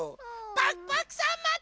・パクパクさんまて！